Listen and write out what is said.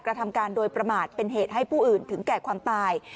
กระทำการโดยประมาทเป็นเหตุให้ผู้อื่นถึงแก่ความตาย